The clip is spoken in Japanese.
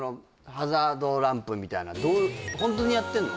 ハザードランプみたいなどうホントにやってんの？